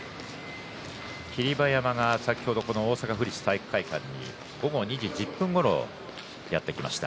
霧馬山が先ほど大阪府立体育会館に午後２時１０分ごろにやって来ました。